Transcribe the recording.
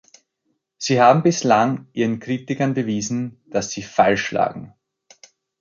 Sie haben bislang ihren Kritikern bewiesen, dass sie falsch lagen.